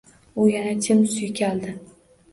U yana jim suykaldi.